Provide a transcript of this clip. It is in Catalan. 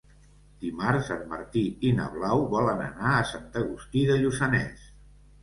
Dimarts en Martí i na Blau volen anar a Sant Agustí de Lluçanès.